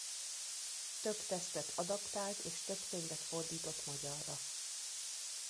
Több tesztet adaptált és több könyvet fordított magyarra.